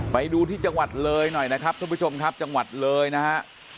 ไปดูที่จังหวัดเลยหน่อยนะครับท่านผู้ชมครับจังหวัดเลยนะฮะ